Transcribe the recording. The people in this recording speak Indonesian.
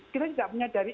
kita tidak menyadari